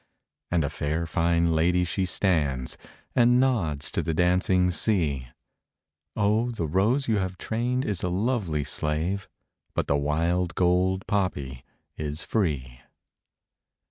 And a fair fine lady she stands, And nods to the dancing sea, O the rose you have trained is a lovely slave, But the wild gold poppy is free!